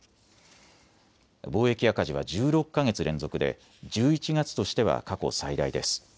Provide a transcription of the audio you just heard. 貿易赤字は１６か月連続で１１月としては過去最大です。